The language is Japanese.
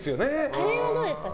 あれはどうですか。